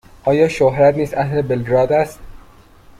آیا شوهرت نیز اهل بلگراد است؟